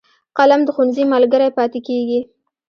قلم د ښوونځي ملګری پاتې کېږي